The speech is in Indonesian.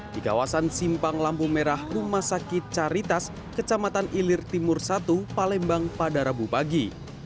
di kawasan simpang lampu merah rumah sakit caritas kecamatan ilir timur satu palembang pada rabu pagi